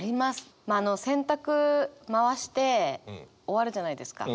洗濯回して終わるじゃないですか。